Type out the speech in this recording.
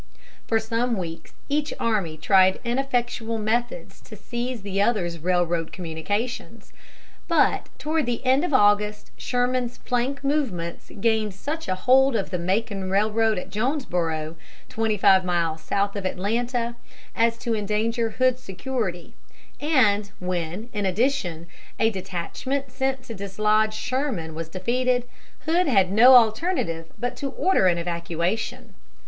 For some weeks each army tried ineffectual methods to seize the other's railroad communications. But toward the end of August, Sherman's flank movements gained such a hold of the Macon railroad at Jonesboro, twenty five miles south of Atlanta, as to endanger Hood's security; and when, in addition, a detachment sent to dislodge Sherman was defeated, Hood had no alternative but to order an evacuation.